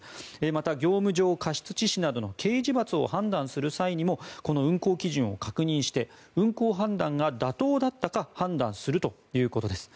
また、業務上過失致死などの刑事罰を判断する際にもこの運航基準を確認して運航判断が妥当だったか判断するということです。